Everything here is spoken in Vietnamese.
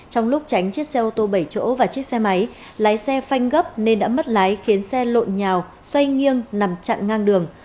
trong lúc tránh chiếc xe ô tô bảy chỗ và chiếc xe máy lái xe phanh gấp nên đã mất lái khiến xe lộn nhào xoay nghiêng nằm chặn ngang đường